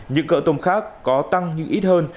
những cỡ tôm khác có tăng những ít hơn